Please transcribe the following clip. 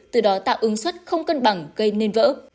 từ đó tạo ứng xuất không cân bằng gây nên vỡ